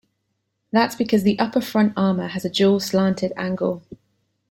That's because the upper front armour has a dual slanted angle.